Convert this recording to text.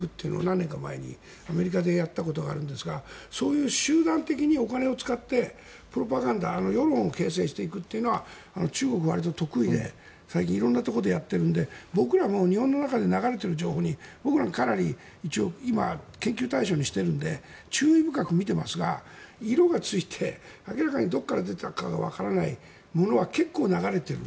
英字新聞を勝手に作って中国と貿易をちゃんとやったほうがいいという趣旨のニュースを作って、それをポストに入れていくっていうのを何年か前にアメリカでやったことがあるんですがそういう集団的にお金を使ってプロパガンダ世論を形成していくというのは中国がわりと得意で最近、色んなところでやってるので僕らも日本の中で流れている情報に僕らかなり今、研究対象にしているので注意深く見ていますが色がついて明らかにどこから出たかわからないものは結構流れている。